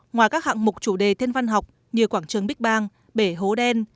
ngoài các hạng mục chủ đề thiên văn học như quảng trường bích bang bể hố đen